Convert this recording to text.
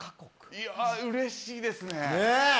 いやうれしいですね。ねぇ！